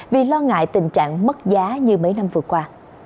vì lo ngại tình trạng mất giá như mấy năm vừa qua